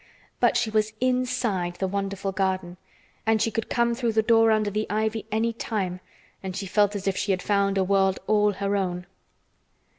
But she was inside the wonderful garden and she could come through the door under the ivy any time and she felt as if she had found a world all her own.